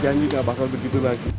janji gak bakal begitu lagi